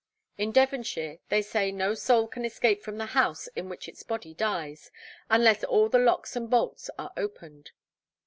In Devonshire they say no soul can escape from the house in which its body dies, unless all the locks and bolts are opened.